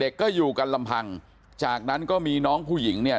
ก็อยู่กันลำพังจากนั้นก็มีน้องผู้หญิงเนี่ย